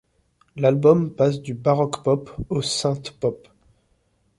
L'album passe du baroque pop au synthpop.